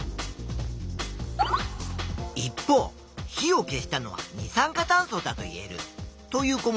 一方火を消したのは二酸化炭素だといえるという子もいたぞ。